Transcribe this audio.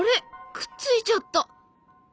くっついちゃった。